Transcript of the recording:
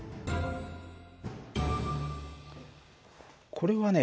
これはね